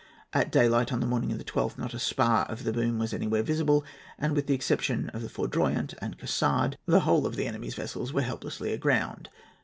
At daylight on the morning of the 12th, not a spar of the boom was anywhere visible, and, with the exception of the Foudroyant and Cassard, the whole of the enemy's vessels were helplessly aground.